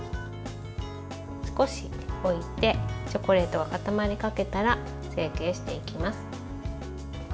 少し置いてチョコレートが固まりかけたら成形していきます。